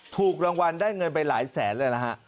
ถูกรางวัลได้เงินไปหลายแสนเลยนะฮะ